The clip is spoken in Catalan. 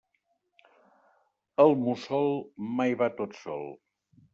El mussol mai va tot sol.